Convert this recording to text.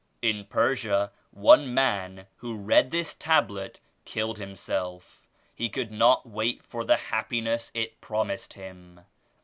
In Persia, one man who read this Tablet killed himself. He could not wait for the happi ness it promised him.